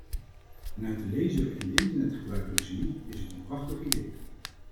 Vanuit de lezer en de internetgebruiker gezien, is het een prachtig idee.